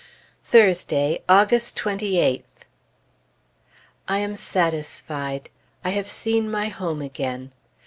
Thursday, August 28th. I am satisfied. I have seen my home again.